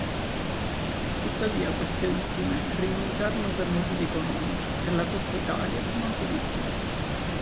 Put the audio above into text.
Tuttavia queste ultime rinunciarono per motivi economici e la Coppa Italia non si disputò.